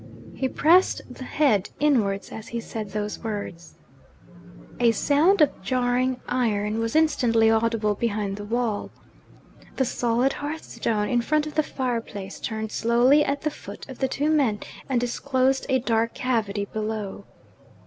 He pressed the head inwards as he said those words. A sound of jarring iron was instantly audible behind the wall. The solid hearthstone in front of the fire place turned slowly at the feet of the two men, and disclosed a dark cavity below.